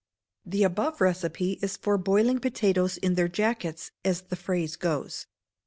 The above recipe is for boiling potatoes in their jackets, as the phrase goes.